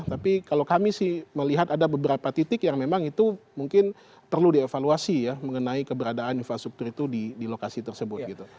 tapi kalau kami sih melihat ada beberapa titik yang memang itu mungkin perlu dievaluasi ya mengenai keberadaan infrastruktur itu di lokasi tersebut gitu